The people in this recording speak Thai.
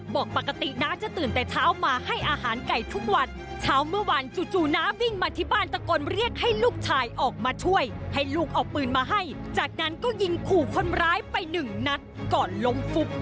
บอกปกติน้าจะตื่นแต่เช้ามาให้อาหารไก่ทุกวันเช้าเมื่อวานจู่น้าวิ่งมาที่บ้านตะโกนเรียกให้ลูกชายออกมาช่วยให้ลูกเอาปืนมาให้จากนั้นก็ยิงขู่คนร้ายไปหนึ่งนัดก่อนล้มฟุบ